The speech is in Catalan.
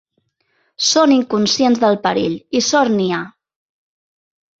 Són inconscients del perill, i sort n'hi ha.